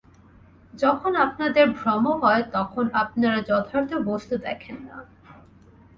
যখন আপনাদের ভ্রম হয়, তখন আপনারা যথার্থ বস্তু দেখেন না।